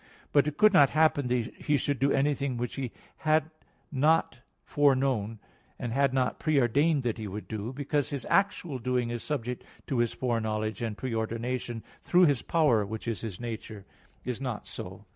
But it could not happen that He should do anything which He had not foreknown, and had not pre ordained that He would do, because His actual doing is subject to His foreknowledge and pre ordination, though His power, which is His nature, is not so.